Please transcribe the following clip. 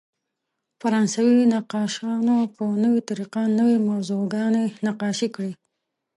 فرانسوي نقاشانو په نوې طریقه نوې موضوعګانې نقاشي کړې.